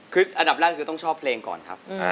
คืออันดับแรกคือต้องชอบเพลงก่อนครับ